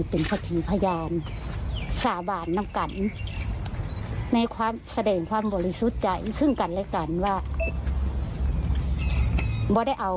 เป็นทัพสาบานนางกันในสะเด็นความบริสุทธิ์ใจ